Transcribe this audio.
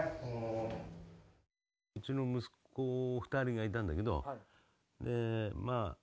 うちの息子２人がいたんだけどまあ